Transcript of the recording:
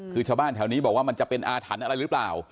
คือชาวบ้านแถวนี้บอกว่ามันจะเป็นอาถรรพ์อะไรหรือเปล่า